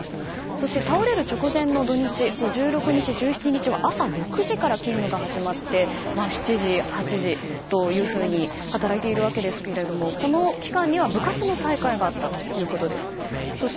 そして、倒れる直前の土日１６日、１７日は朝の６時から勤務が始まって７時、８時と働いていますがこの期間には部活の大会があったということです。